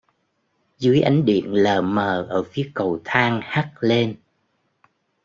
Dưới ánh điện lờ mờ ở phía cầu thang hắt lên